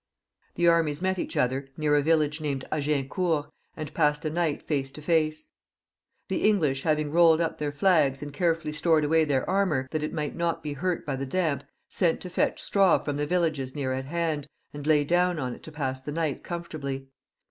The armies met each other near a village named Agincourt, and passed a night face to face. The English having rolled up their flags and carefully stored away their armour, that it might not be hurt by the damp, sent to fetch straw from the villages near at hand^ and lay down on it to pass the night comfortably.